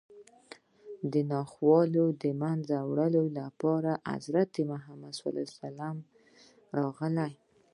د ناخوالو د منځه وړلو لپاره حضرت محمد صلی الله علیه وسلم راغی